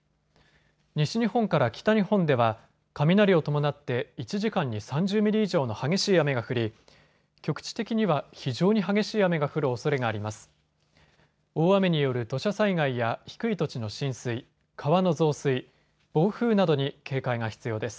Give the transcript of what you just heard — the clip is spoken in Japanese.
西日本から北日本では雷を伴って１時間に３０ミリ以上の激しい雨が降り局地的には非常に激しい雨が降るおそれがあります。